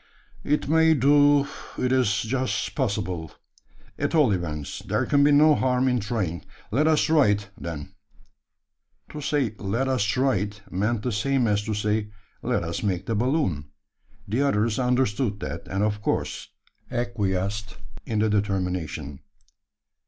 "It may do it is just possible. At all events, there can be no harm in trying. Let us try it, then." To say, "Let us try it," meant the same as to say, "Let us make the balloon." The others understood that; and of course acquiesced in the determination.